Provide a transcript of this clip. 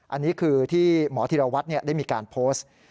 อันนี้คือที่หมอธิรวัตรได้มีการโพสต์